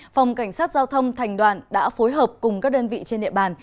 phòng cảnh sát giao thông thành đoàn đã phối hợp cùng các đơn vị trên địa bàn